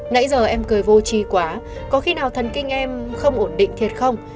nãy giờ em cười vô trí quá có khi nào thần kinh em không ổn định thiệt không